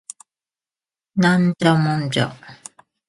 ナンジャモンジャ